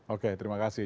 oke terima kasih